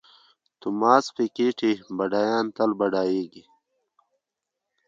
توماس پیکیټي بډایان تل بډایېږي.